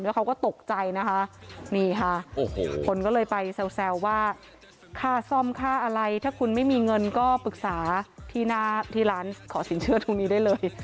แล้วเขาก็ตกใจนะคะนี่ค่ะโอ้โหคนก็เลยไปแซวว่าค่าซ่อมค่าอะไรถ้าคุณไม่มีเงินก็ปรึกษาที่หน้าที่ร้านขอสินเชื่อตรงนี้ได้เลย